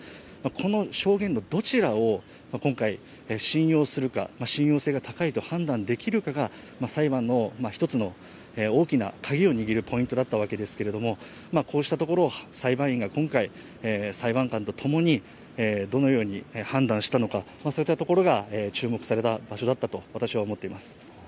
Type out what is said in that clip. この証言のどちらを今回、信用するか、信用性が高いと判断できるかが裁判の一つの大きなカギを握るポイントだったわけですけれどもこうしたところを裁判員が今回、裁判官と共にどのように判断したのかそういったところが注目された場所だったと私は思っています。